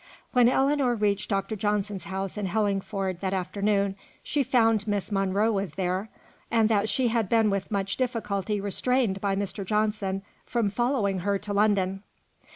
When Ellinor reached Mr. Johnson's house in Hellingford that afternoon, she found Miss Monro was there, and that she had been with much difficulty restrained by Mr. Johnson from following her to London.